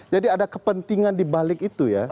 jadi ada kepentingan dibalik itu ya